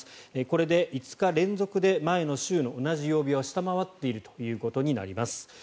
これで５日連続で前の週の同じ曜日を下回っているということになります。